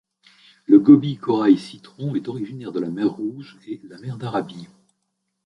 Le Gobie corail citron est originaire de la mer Rouge et la mer d'Arabie.